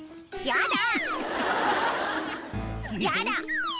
やだ！